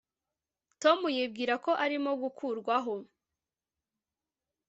tom yibwira ko arimo gukurwaho